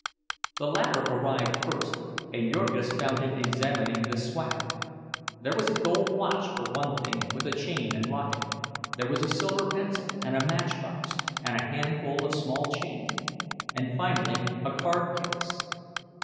The latter arrived first, and Jurgis found him examining the "swag." There was a gold watch, for one thing, with a chain and locket; there was a silver pencil, and a matchbox, and a handful of small change, and finally a card case.